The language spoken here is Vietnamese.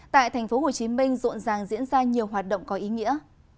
tại thành phố hồ chí minh rộn ràng diễn ra nhiều hoạt động có ý nghĩa